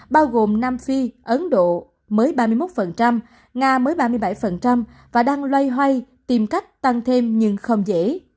bao gồm nam phi ấn độ mới ba mươi một nga mới ba mươi bảy và đang loay hoay tìm cách tăng thêm nhưng không dễ